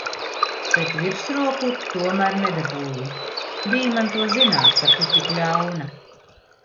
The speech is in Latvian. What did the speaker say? Bet virsroku tomēr nedabūji. Bij man to zināt, ka tu tik ļauna!